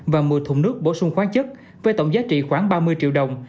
và một mươi thùng nước bổ sung khoáng chất với tổng giá trị khoảng ba mươi triệu đồng